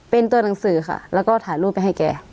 เป็นตัวหนังสือค่ะแล้วก็ถ่ายรูปไปให้แก